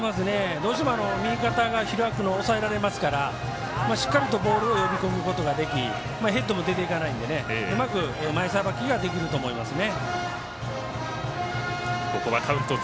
どうしても右肩が開くのが抑えられますからしっかりとボールを呼び込むことができヘッドも出ていかないのでうまく前さばきができると思いますね。